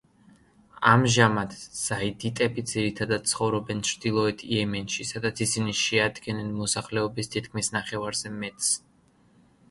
ამჟამად ზაიდიტები ძირითადად ცხოვრობენ ჩრდილოეთ იემენში, სადაც ისინი შეადგენენ მოსახლეობის თითქმის ნახევარზე მეტს.